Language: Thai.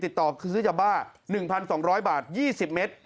ติดต่อซื้อจับบ้า๑๒๐๐บาท๒๐เมตร